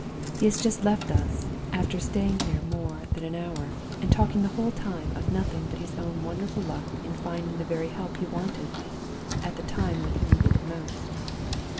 "He has just left us, after staying here more than an hour, and talking the whole time of nothing but his own wonderful luck in finding the very help he wanted, at the time when he needed it most.